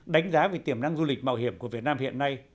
đánh giá về tiềm năng du lịch mạo hiểm của việt nam hiện nay